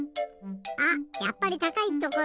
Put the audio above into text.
あっやっぱりたかいところ！